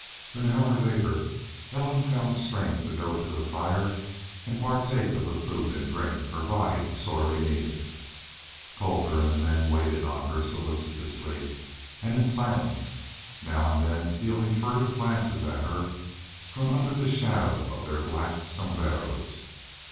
An hour later Ellen found strength to go to the fire and partake of the food and drink her body sorely needed. Colter and the men waited on her solicitously, and in silence, now and then stealing furtive glances at her from under the shadow of their black sombreros.